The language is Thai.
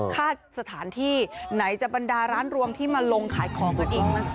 ค่าสถานที่ไหนจะบรรดาร้านรวมที่มาลงขายของกันเอง